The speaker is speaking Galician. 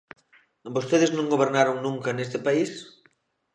¿Vostedes non gobernaron nunca neste país?